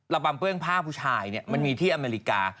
รับมรรมเปิ้งผ้าผู้ชายเนี่ยมันมีที่อเมริกา